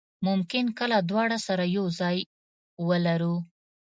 ممکن کله دواړه سره یو ځای ولرو.